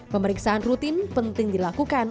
pemeriksaan rutin penting dilakukan